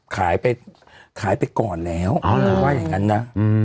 ขายไปก่อนแล้วถ้าว่าอย่างงั้นนะ